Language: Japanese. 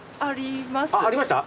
ありました？